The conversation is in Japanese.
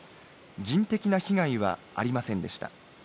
人的な被害はありませんでした。